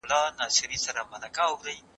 د هغه هندۍ ښځې پر مزار باندي پخوا یوه لویه کلا وه